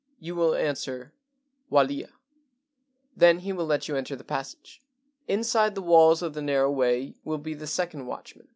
You will answer, 'Walia.' Then he will let you enter the passage. "Inside the walls of the narrow way will be the second watchman.